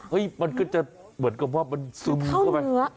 เห้ยมันก็จะเหมือนกับว่ามันซึมเข้าเนื้อ